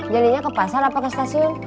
jadinya ke pasar apa ke stasiun